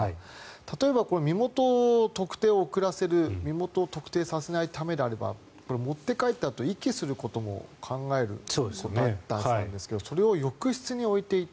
例えば身元の特定を遅らせる身元を特定させないためであれば持って帰ったあと遺棄することも考えるはずなんですがそれを浴室に置いていた。